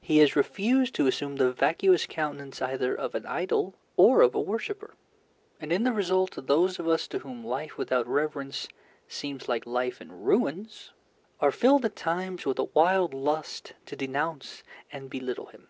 He has refused to assume the vacuous countenance either of an idol or a worshipper, and in the result those of us to whom life without reverence seems like life in ruins are filled at times with a wild lust to denounce and belittle him.